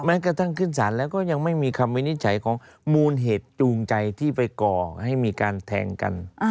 กระทั่งขึ้นสารแล้วก็ยังไม่มีคำวินิจฉัยของมูลเหตุจูงใจที่ไปก่อให้มีการแทงกัน